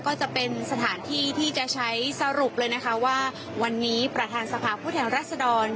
ก็จะเป็นสถานที่ที่จะใช้สรุปเลยนะคะว่าวันนี้ประธานสภาพผู้แทนรัศดร